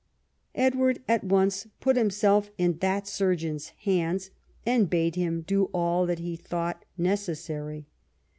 Edward at once put himself in that surgeon's hands and bade him do all that he thought necessary.